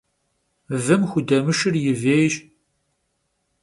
Vım xudemışşır yi vêyş.